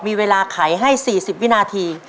มีเวลาไขให้๔๐วินาที